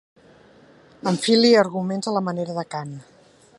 Enfili arguments a la manera de Kant.